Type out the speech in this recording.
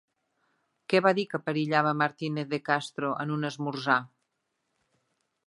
Què va dir que perillava Martínez de Castro en un esmorzar?